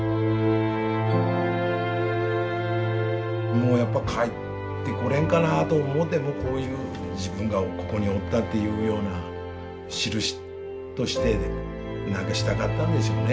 もうやっぱ帰ってこれんかなと思ってもうこういう自分がここにおったというようなしるしとして何かしたかったんでしょうね